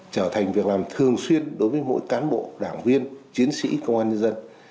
trở thành việc làm thường xuyên đối với mỗi cán bộ đảng viên chiến sĩ công an nhân dân